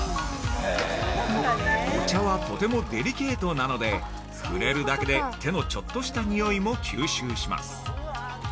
◆お茶はとてもデリケートなので、触れるだけで手のちょっとしたニオイも吸収します。